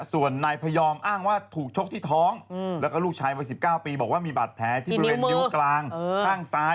ส่วนนายพยอมอ้างว่าถูกชกที่ท้องแล้วก็ลูกชายวัย๑๙ปีบอกว่ามีบาดแผลที่บริเวณนิ้วกลางข้างซ้าย